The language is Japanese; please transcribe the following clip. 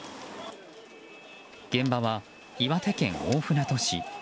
現場は岩手県大船渡市。